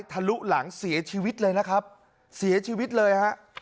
ทะลุหลังเสียชีวิตเลยนะครับเสียชีวิตเลยฮะ